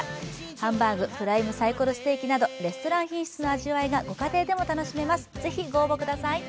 ハンバーグ、プライムサイコロステーキなどレストラン品質の味わいがご家庭でも楽しめます！